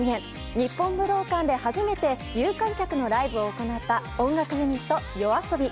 日本武道館で初めて有観客のライブを行った音楽ユニットＹＯＡＳＯＢＩ。